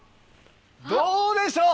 どうでしょう？